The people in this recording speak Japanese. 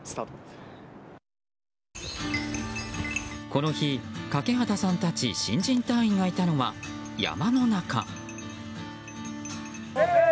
この日、掛端さんたち新人隊員がいたのは山の中。